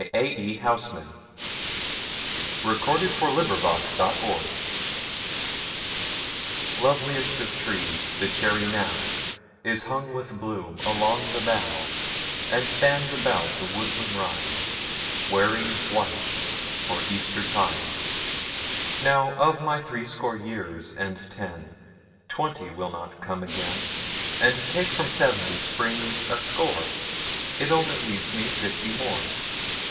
A. E. Housman1859–1936 "Loveliest of Trees" LOVELIEST of trees, the cherry nowIs hung with bloom along the bough, And stands about the woodland rideWearing white for Eastertide.Now, of my threescore years and ten, Twenty will not come again, And take from seventy springs a score, It only leaves me fifty more.